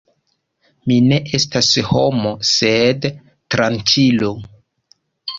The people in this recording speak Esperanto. Mi ne estas homo, sed tranĉilo!